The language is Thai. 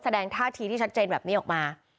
แสดงท่าทีที่ชัดเจนแบบนี้ออกมา